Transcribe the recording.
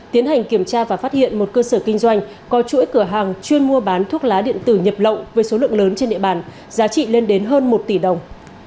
tiến hành kiểm tra và phát hiện một cơ sở kinh doanh có chuỗi cửa hàng chuyên mua bán thuốc lá điện tử nhập lộng với số lượng lớn trên địa bàn giá trị lên đến hơn một tỷ đồng